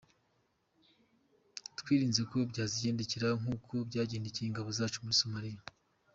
Twirinze ko byazigendekera nk’uko byagendekeye ingabo zacu muri Somalia.